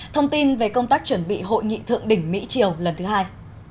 thông tin về công tác chuẩn bị hội nghị thượng đỉnh mỹ triều lần thứ hai